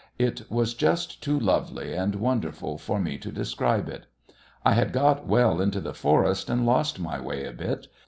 It was just too lovely and wonderful for me to describe it. I had got well into the forest and lost my way a bit.